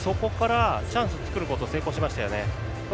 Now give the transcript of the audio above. そこからチャンスを作ることに成功しましたよね。